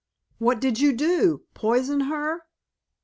"What did you do? Poison her?"